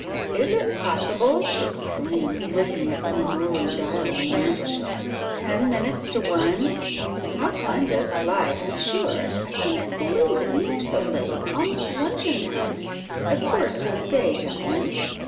Is it possible?" she exclaims, looking at the ormolu dial on the mantelshelf. "Ten minutes to one! How time does fly, to be sure! I couldn't have believed it near so late almost luncheon time! Of course you'll stay, gentlemen?